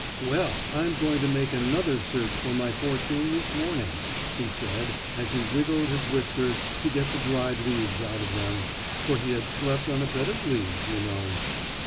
"Well, I'm going to make another search for my fortune this morning," he said as he wiggled his whiskers to get the dried leaves out of them, for he had slept on a bed of leaves, you know.